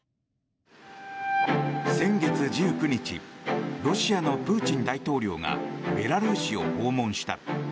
先月１９日ロシアのプーチン大統領がベラルーシを訪問した。